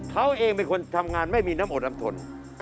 เขาเองเป็นคนทำงานไม่มีน้ำอดน้ำทน